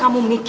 ya ya tidak ya